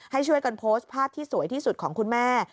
ให้ช่วยกันโพสต์ภาพที่สวยที่สุดของคุณแม่